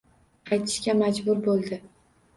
Qaytishga majbur bo`ldi